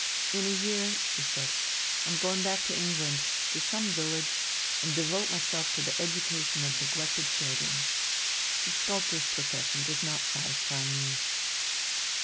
"In a year," she said, "I am going back to England, to some village, and devote myself to the education of neglected children. The sculptor's profession does not satisfy me."